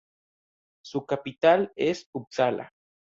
Su capital es Upsala.